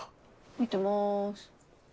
見てます。